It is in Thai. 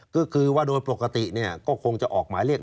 ก็คือว่าโดยปกติก็คงจะออกหมายเรียก